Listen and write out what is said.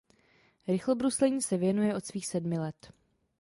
Rychlobruslení se věnuje od svých sedmi let.